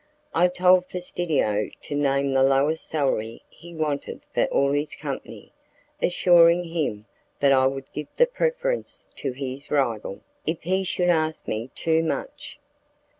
I told Fastidio to name the lowest salary he wanted for all his company, assuring him that I would give the preference to his rival, if he should ask me too much.